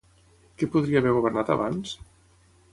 Què podria haver governat abans?